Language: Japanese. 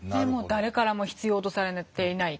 誰からも必要とされていない。